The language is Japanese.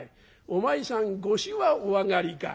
「お前さんご酒はお上がりか？」。